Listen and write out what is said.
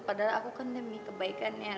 padahal aku kan demi kebaikan ya